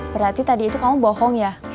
berarti tadi itu kamu bohong ya